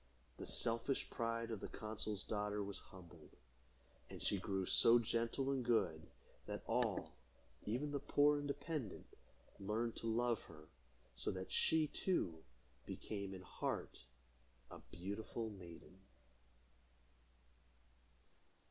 The selfish pride of the consul's daughter was humbled, and she grew so gentle and good, that all, even the poor and dependent, learned to love her, so that she, too, became, in heart, a beautiful maiden.